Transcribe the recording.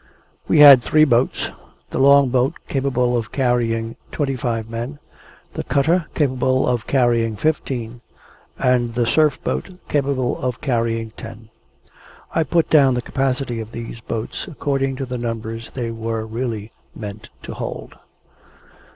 We had three boats; the Long boat, capable of carrying twenty five men; the Cutter, capable of carrying fifteen; and the Surf boat, capable of carrying ten. I put down the capacity of these boats according to the numbers they were really meant to hold.